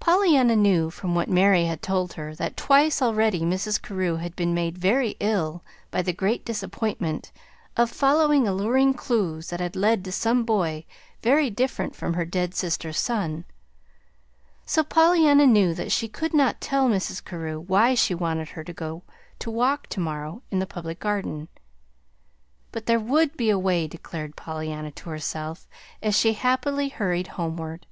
Pollyanna knew, from what Mary had told her, that twice already Mrs. Carew had been made very ill by the great disappointment of following alluring clues that had led to some boy very different from her dead sister's son. So Pollyanna knew that she could not tell Mrs. Carew why she wanted her to go to walk to morrow in the Public Garden. But there would be a way, declared Pollyanna to herself as she happily hurried homeward.